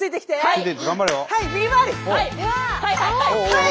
はい！